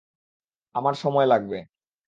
আমার সময় লাগবে।